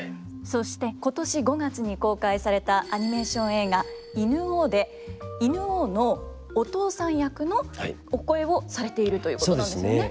そして今年５月に公開されたアニメーション映画「犬王」で犬王のお父さん役のお声をされているということなんですよね。